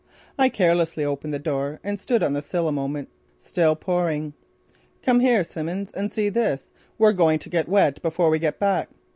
I carelessly opened the door and stood on the sill a moment. Still pouring. "Come here, Simmons, and see this. We're going to get wet before we get back."